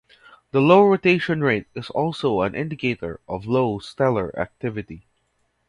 The low rotation rate is also an indicator of low stellar activity.